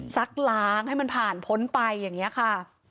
ซักล้างให้มันผ่านพ้นไปอย่างนี้ค่ะ